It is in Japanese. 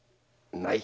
「ない」！